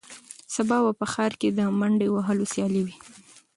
سبا به په ښار کې د منډې وهلو سیالي وي.